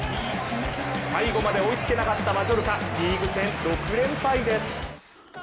最後まで追いつけなかったマジョルカリーグ戦、６連敗です。